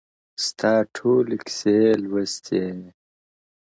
ستا ټولي كيسې لوستې؛